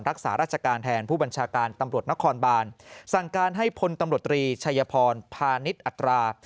รักษาราชการแทนผู้บัญชาการตำรวจนครบานสั่งการให้พลตำรวจตรีชัยพรพาณิชย์อัตรา